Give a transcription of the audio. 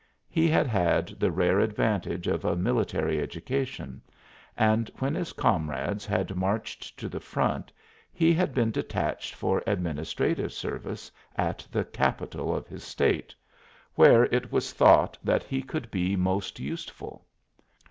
He had had the rare advantage of a military education, and when his comrades had marched to the front he had been detached for administrative service at the capital of his State, where it was thought that he could be most useful.